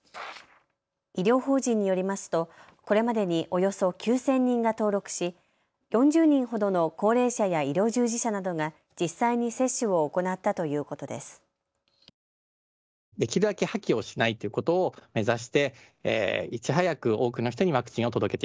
医療法人によりますとこれまでにおよそ９０００人が登録し、４０人ほどの高齢者や医療従事者などが実際に接種を行ったということです。